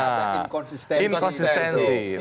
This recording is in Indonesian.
apa yang konsistensi